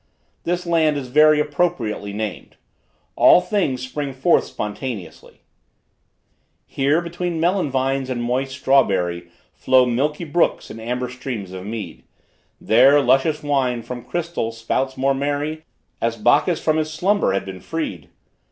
This land is very appropriately named. All things spring forth spontaneously: Here, between melon vines and moist strawberry, Flow milky brooks and amber streams of mead; There, luscious wine, from crystal, spouts more merry, As Bacchus from his slumber had been freed.